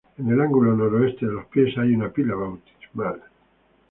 En el ángulo noroeste de los pies hay una pila bautismal.